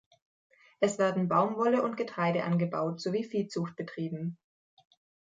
Es werden Baumwolle und Getreide angebaut sowie Viehzucht betrieben.